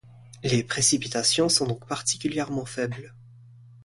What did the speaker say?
Les précipitations sont donc particulièrement faibles.